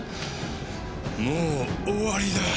もう終わりだ。